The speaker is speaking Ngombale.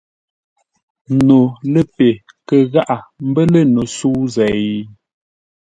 No ləpe kə gháʼa mbə́ lə̂ no sə̌u zêi ?